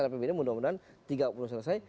pbd mudah mudahan tiga puluh selesai